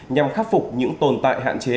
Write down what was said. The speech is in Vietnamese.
nhằm khắc phục những tồn tại hạn chế